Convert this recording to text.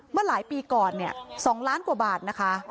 เมื่อหลายปีก่อนเนี่ย๒ล้านกว่าบาทนะคะ